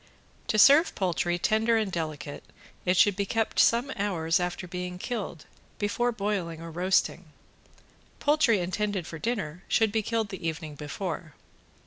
To serve poultry tender and delicate; it should be kept some hours after being killed before boiling or roasting. Poultry intended for dinner should be killed the evening before.